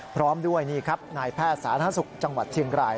พร้อมด้วยนี่ครับนายแพทย์สาธารณสุขจังหวัดเชียงราย